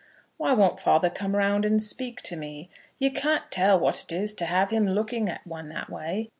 "Why won't father come round and speak to me? You can't tell what it is to have him looking at one that way.